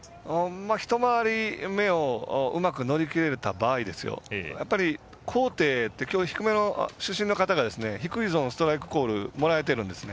１回り目をうまく乗りきれた場合やっぱり、高低ってきょう、主審の方が低いゾーンでストライクもらえてるんですね。